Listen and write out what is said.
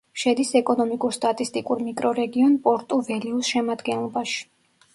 შედის ეკონომიკურ-სტატისტიკურ მიკრორეგიონ პორტუ-ველიუს შემადგენლობაში.